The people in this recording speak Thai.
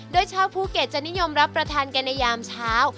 โดยชาวภูเก็ตจะนิยมรับประทานกันในยามเช้า